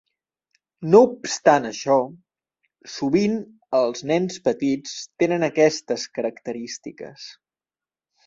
No obstant això, sovint els nens petits tenen aquestes característiques.